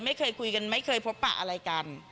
ไม่เคยคุยกันไม่เคยพบปะอะไรกัน